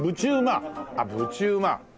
あっぶちうま。